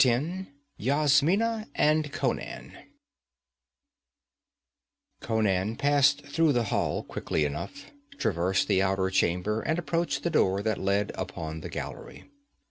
10 Yasmina and Conan Conan passed through the hall quickly enough, traversed the outer chamber and approached the door that led upon the gallery.